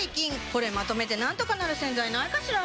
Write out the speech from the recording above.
これまとめてなんとかなる洗剤ないかしら？